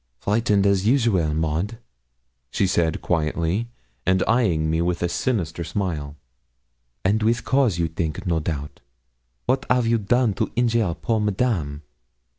'Frightened as usual, Maud,' she said quietly, and eyeing me with a sinister smile, 'and with cause you think, no doubt. Wat 'av you done to injure poor Madame?